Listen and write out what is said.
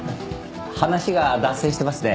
話が脱線してますね。